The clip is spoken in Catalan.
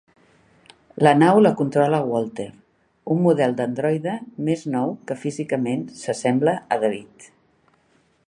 La nau la controla Walter, un model d'androide més nou que físicament s'assembla a David.